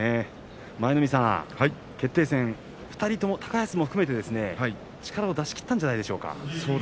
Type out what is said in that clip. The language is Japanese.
舞の海さん、決定戦は２人とも高安も含めて力を出し切ったんじゃないですか。